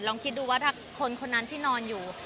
ลองคิดดูว่าถ้าคนนั้นที่นอนอยู่